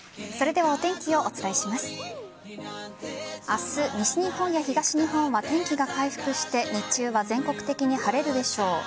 明日、西日本や東日本は天気が回復して日中は全国的に晴れるでしょう。